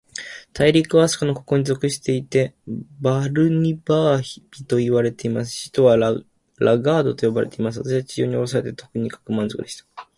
大陸は、飛島の国王に属していて、バルニバービといわれています。首府はラガードと呼ばれています。私は地上におろされて、とにかく満足でした。